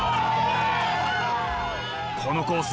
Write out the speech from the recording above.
このコース